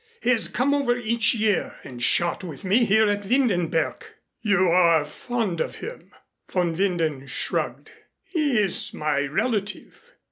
He has come over each year and shot with me here at Windenberg." "You are fond of him?" Von Winden shrugged. "He is my relative.